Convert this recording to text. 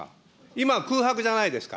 今空白じゃないですか。